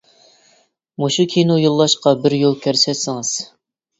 مۇشۇ كىنو يوللاشقا بىر يول كۆرسەتسىڭىز!